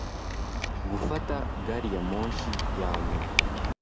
gufata gari ya moshi ya nyuma